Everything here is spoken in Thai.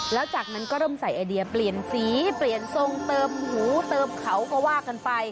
แล้วจากนั้นก็เริ่มใส่ไอเดียเปลี่ยนสีเปลี่ยนทรงเติมหูเติมเขาก็ว่ากันไป